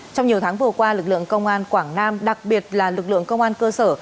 trong nhiều tháng vừa qua lực lượng công an quảng nam đặc biệt là lực lượng công an cơ sở